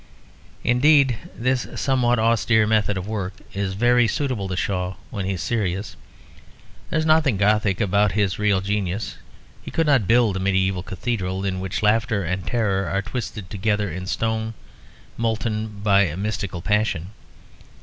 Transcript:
Indeed, this somewhat austere method of work is very suitable to Shaw when he is serious. There is nothing Gothic about his real genius; he could not build a mediæval cathedral in which laughter and terror are twisted together in stone, molten by mystical passion.